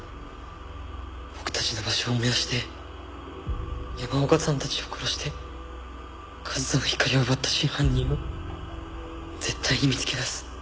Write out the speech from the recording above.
僕たちの場所を燃やして山岡さんたちを殺して和沙の光を奪った真犯人を絶対に見つけ出す。